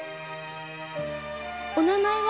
お名前は？